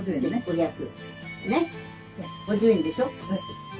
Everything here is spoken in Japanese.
ねっ５０円でしょ？